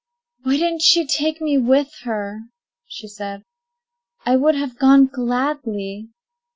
"Why didn't she take me with her?" she said. "I would have gone gladly."